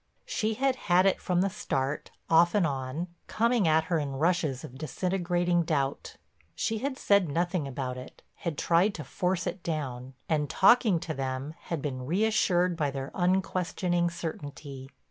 She had had it from the start, off and on, coming at her in rushes of disintegrating doubt. She had said nothing about it, had tried to force it down, and, talking to them, had been reassured by their unquestioning certainty.